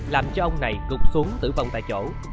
làm cho ông này gục xuống tử vong tại chỗ